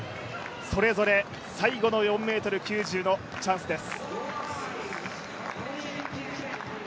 それぞれ、最後の４ｍ９０のチャンスです。